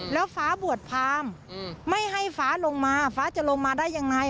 แล้วฟ้าบวชพรามไม่ให้ฟ้าลงมาฟ้าจะลงมาได้ยังไง